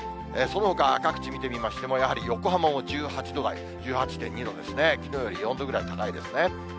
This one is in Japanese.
そのほか各地見てみましても、やはり横浜も１８度台、１８．２度ですね、きのうより４度ぐらい高いですね。